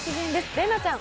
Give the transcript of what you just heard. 麗菜ちゃん